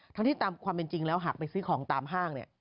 ทั้งที่ตามความเป็นจริงแล้วหากไปซื้อของตามห้างเนี่ย